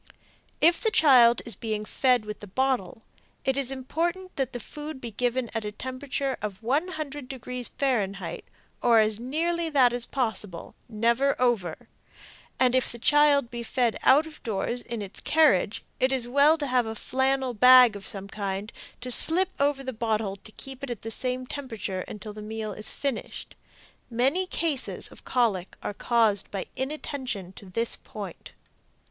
If the child is being fed with the bottle it is important that the food be given at a temperature of 100 deg. F., or as nearly that as possible; never over; and if the child be fed out of doors in its carriage it is well to have a flannel bag of some kind to slip over the bottle to keep it at the same temperature until the meal is finished. Many cases of colic are caused by inattention to this point.